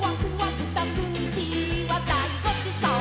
「ブタくんちはだいごちそう！」